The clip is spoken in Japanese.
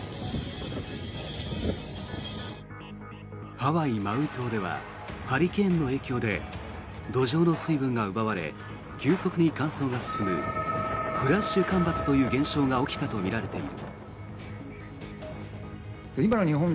ハワイ・マウイ島ではハリケーンの影響で土壌の水分が奪われ急速に乾燥が進むフラッシュ干ばつという現象が起きたとみられている。